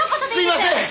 すいません！